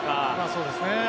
そうですね。